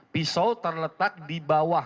pisau terletak di bawah